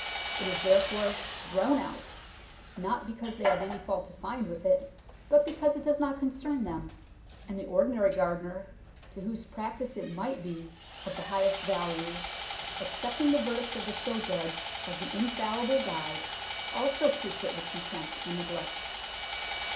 It is, therefore, thrown out, not because they have any fault to find with it, but because it does not concern them; and the ordinary gardener, to whose practice it might be of the highest value, accepting the verdict of the show judge as an infallible guide, also treats it with contempt and neglect.